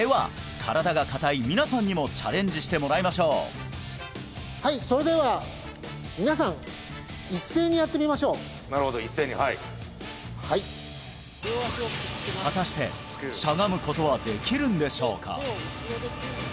身体が硬い皆さんにもチャレンジしてもらいましょうはいそれでは皆さん一斉にやってみましょうなるほど一斉にはい果たしてしゃがむことはできるんでしょうか？